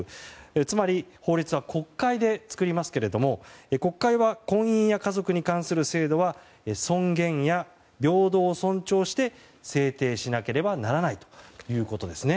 つまり、法律は国会で作りますけれども国会は婚姻や家族に対する制度は、尊厳や平等を尊重して制定しなければならないということですね。